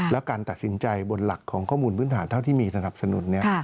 แล้วการตัดสินใจบนหลักของข้อมูลพื้นฐานเท่าที่มีสนับสนุน